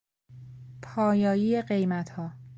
پایایی قیمتها